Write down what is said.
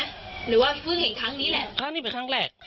หรือว่าเพิ่งเห็นครั้งนี้แหละครั้งนี้เป็นครั้งแรก